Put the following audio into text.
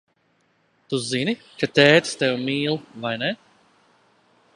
Tu zini, ka tētis tevi mīl, vai ne?